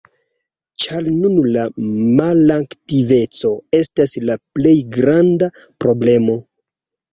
Ĉar nun la malaktiveco estas la plej granda problemo.